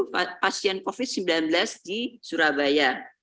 pasien covid sembilan belas di surabaya